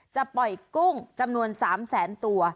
จะปล่อยกุ้งจำนวน๓แสนตัว